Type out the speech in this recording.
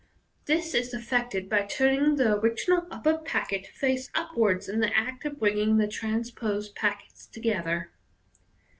This is effected by turning the original apper packet face upwards in the act of bringing the transposed packets together.